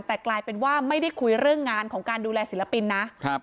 แต่กลายเป็นว่าไม่ได้คุยเรื่องงานของการดูแลศิลปินนะครับ